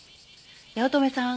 八乙女さん